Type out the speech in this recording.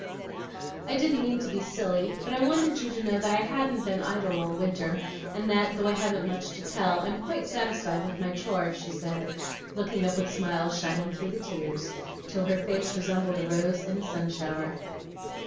"I didn't mean to be silly; but I wanted you to know that I hadn't been idle all winter, and that, though I haven't much to tell, I'm quite satisfied with my chore," she said, looking up with smiles shining through the tears till her face resembled a rose in a sun shower.